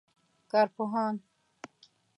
کارپوهان